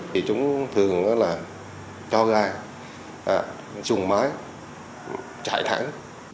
thì chúng thường là cho gai chùng mái chạy thẳng